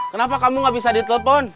kenapa kamu nggak bisa di telepon